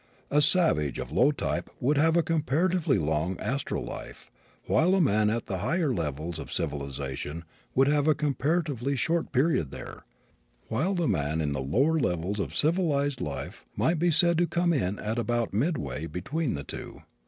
A savage of low type would have a comparatively long astral life while a man at the higher levels of civilization would have a comparatively short period there, while the man in the lower levels of civilized life might be said to come in at about midway between the two.